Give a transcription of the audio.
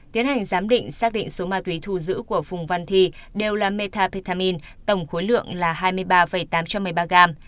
tiến hành giám định xác định số ma túy thu giữ của phùng văn thi đều là metapethamin tổng khối lượng là hai mươi ba tám trăm một mươi ba gram